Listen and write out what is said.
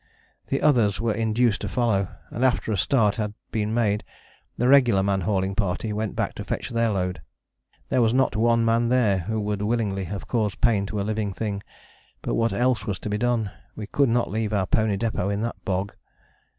The others were induced to follow, and after a start had been made the regular man hauling party went back to fetch their load. There was not one man there who would willingly have caused pain to a living thing. But what else was to be done we could not leave our pony depôt in that bog.